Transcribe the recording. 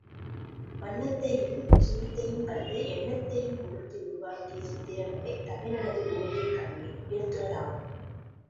வண்ணத்தையும் சுண்ணத்தையம் கடந்து எண்ணத்தையும் புகுத்தி உருவாக்கிய சித்திரங்களே தமிழனது ஓவியக் கலையை உயர்த்துவதாகும்.